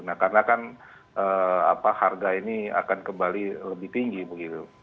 nah karena kan harga ini akan kembali lebih tinggi begitu